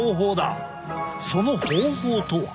その方法とは。